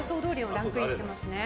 ランクインしていますね。